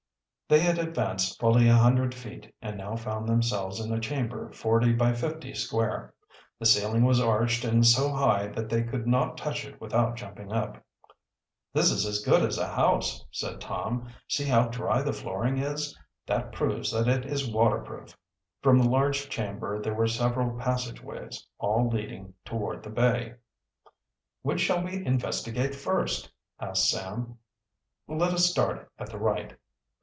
They had advanced fully a hundred feet, and now found themselves in a chamber forty or fifty feet square. The ceiling was arched and so high that they could not touch it without jumping up. "This is as good as a house," said Tom. "See how dry the flooring is. That proves that it is waterproof." From the large chamber there were several passageways, all leading toward the bay. "Which shall we investigate first?" asked Sam. "Let us start at the right."